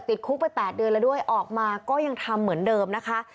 ติดคุกไป๘เดือนแล้วด้วยออกมาก็ยังทำเหมือนเดิมนะคะ